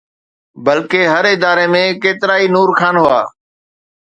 بلڪه هر اداري ۾ ڪيترائي نور خان هئا.